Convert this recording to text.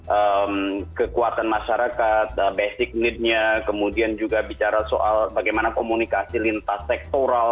apa menyangkut misalnya kekuatan masyarakat basic need nya kemudian juga bicara soal bagaimana komunikasi lintas sektoral